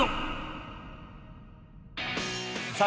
さあ